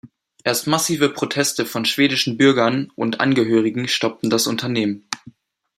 Erst massive Proteste von schwedischen Bürgern und Angehörigen stoppten das Unternehmen.